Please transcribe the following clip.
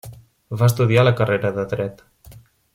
Va estudiar la carrera de dret.